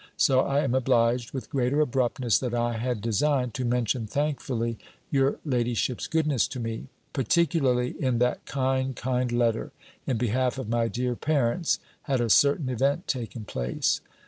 So I am obliged, with greater abruptness than I had designed, to mention thankfully your ladyship's goodness to me; particularly in that kind, kind letter, in behalf of my dear parents, had a certain event taken place.